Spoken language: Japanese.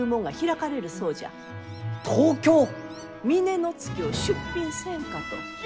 峰乃月を出品せんかと。